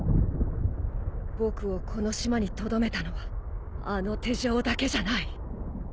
僕をこの島にとどめたのはあの手錠だけじゃない。